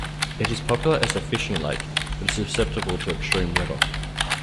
It is popular as a fishing lake, but is susceptible to extreme weather.